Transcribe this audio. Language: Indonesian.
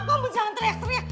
kamu jangan teriak teriak